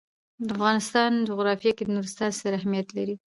د افغانستان جغرافیه کې نورستان ستر اهمیت لري.